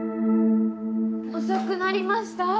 遅くなりました。